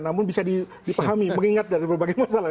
namun bisa dipahami mengingat dari berbagai masalah